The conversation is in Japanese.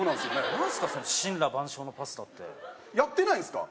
何すかその森羅万象のパスタってやってないんすか？